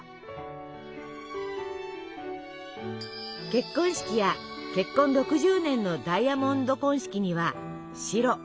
結婚式や結婚６０年のダイヤモンド婚式には白。